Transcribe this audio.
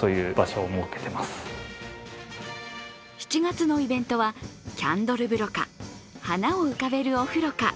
７月のイベントは、キャンドル風呂か、花を浮かべるお風呂か。